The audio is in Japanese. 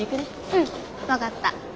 うん分かった。